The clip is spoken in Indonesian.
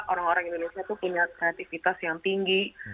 orang orang indonesia itu punya kreativitas yang tinggi